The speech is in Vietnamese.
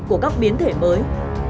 của các biến thể mới